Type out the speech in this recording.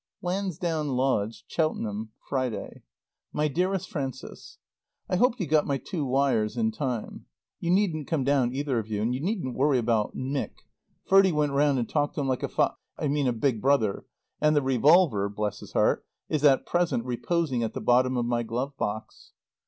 LANSDOWN LODGE. CHELTENHAM, Friday. MY DEAREST FRANCES: I hope you got my two wires in time. You needn't come down, either of you. And you needn't worry about Mick. Ferdie went round and talked to him like a fa I mean a big brother, and the revolver (bless his heart!) is at present reposing at the bottom of my glove box.